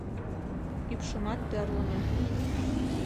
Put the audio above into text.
Ӱпшымат тӧрлымӧ.